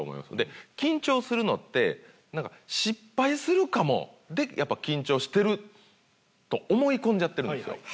緊張するのってなんか失敗するかもでやっぱり緊張してると思い込んじゃってるんですよ。